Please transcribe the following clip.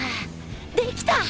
できた！